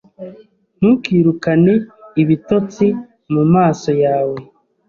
Ntukirukane ibitotsi mumaso yawe